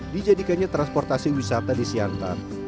dijadikannya transportasi wisata di siantar